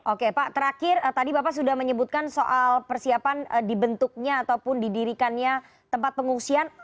oke pak terakhir tadi bapak sudah menyebutkan soal persiapan dibentuknya ataupun didirikannya tempat pengungsian